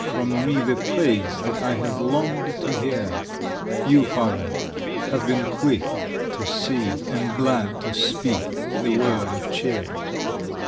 from me The praise that I have longed to hear, Y>u, Father, have been quick to see Ar^d glad to speak the word of cheer.